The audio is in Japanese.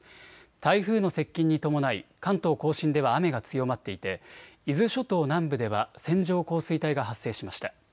台風の接近に伴い関東甲信では雨が強まっていて伊豆諸島南部では線状降水帯が発生しました。